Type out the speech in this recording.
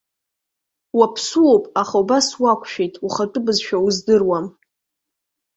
Уаԥсуоуп, аха убас уақәшәеит, ухатәы бызшәа уздыруам.